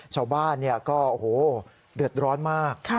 ชาวบ้านก็โอ้โหเดือดร้อนมาก